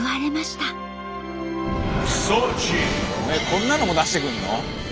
こんなのも出してくるの？